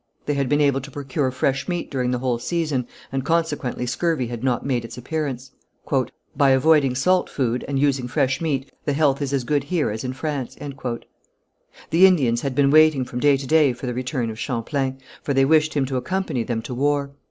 They had been able to procure fresh meat during the whole season, and consequently scurvy had not made its appearance. "By avoiding salt food and using fresh meat, the health is as good here as in France." The Indians had been waiting from day to day for the return of Champlain, for they wished him to accompany them to war.